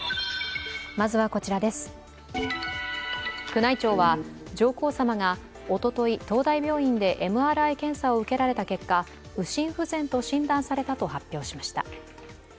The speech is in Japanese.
宮内庁は、上皇さまがおととい東大病院でＭＲＩ検査を受けられた結果、右心不全と診断されたと発表しました。